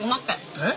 えっ？